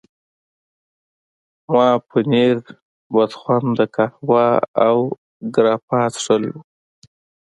ما پنیر، بدخونده قهوه او ګراپا څښلي وو.